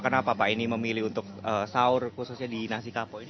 kenapa pak ini memilih untuk sahur khususnya di nasi kapo ini